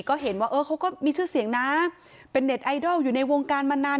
ก็เห็นว่าเออเขาก็มีชื่อเสียงนะเป็นเน็ตไอดอลอยู่ในวงการมานาน